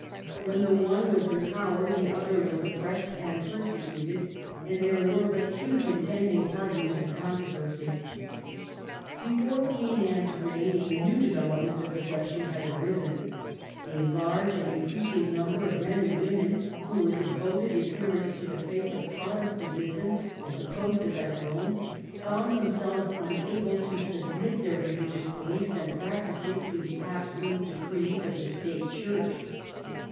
When the one was in power the other was oppressed and persecuted, and there were but two contending parties in the controversy. Before Anne's reign a new development of the question had arisen. A large and increasing number of men and women who were devoted adherents to the faith of Protestantism as opposed to that of Eome, found themselves unable to submit their reUgious beliefs and practices to the absolute decrees of the State Church.